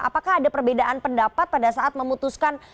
apakah ada perbedaan pendapat pada saat memutuskan